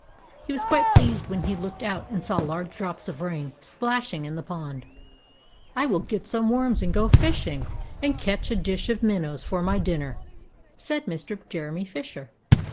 He was quite pleased when he looked out and saw large drops of rain, splashing in the pond "I will get some worms and go fishing and catch a dish of minnows for my dinner," said Mr. Jeremy Fisher.